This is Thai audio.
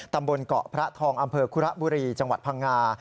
ตำบลเกาะพระทองอำเภอคุระบุรีจังหวัดพังงา